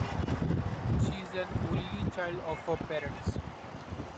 She is an only child of her parents.